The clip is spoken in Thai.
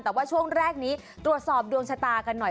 แต่ว่าช่วงแรกนี้ตรวจสอบดวงชะตากันหน่อย